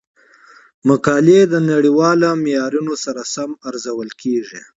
مقالې د نړیوالو معیارونو سره سمې ارزول کیږي.